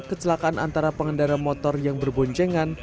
kecelakaan antara pengendara motor yang berboncengan